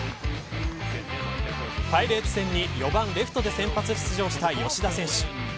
パイレーツ戦に４番レフトで先発出場した吉田選手。